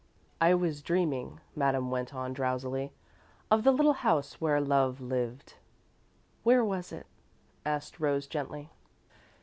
"I was dreaming," Madame went on, drowsily, "of the little house where Love lived." "Where was it?" asked Rose gently.